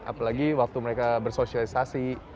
apalagi waktu mereka bersosialisasi